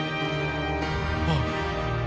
あっ。